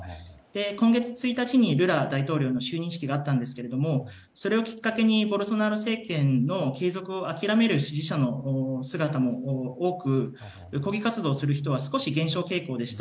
今月１日にルラ大統領の就任式があったんですがそれをきっかけにボルソナロ政権の継続を諦める支持者の姿も多く、抗議活動をする人は少し減少傾向でした。